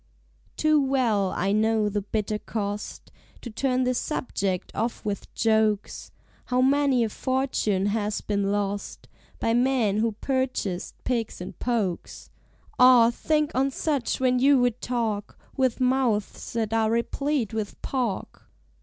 Too well I know the bitter cost, To turn this subject off with jokes; How many a fortune has been lost By men who purchased pigs in pokes. (Ah! think on such when you would talk With mouths that are replete with pork!)